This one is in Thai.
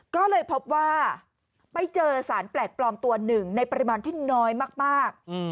ก็เลยพบว่าไปเจอสารแปลกปลอมตัวหนึ่งในปริมาณที่น้อยมาก